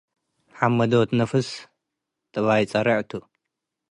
. ሐመዶት ነፍስ ጥባይ ጸርዕ ቱ፣